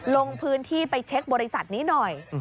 ลงพื้นที่ไปเช็คบริษัทนี้หน่อย